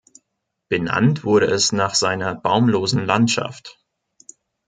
Benannt wurde es nach seiner baumlosen Landschaft.